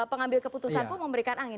pengambil keputusan pun memberikan angin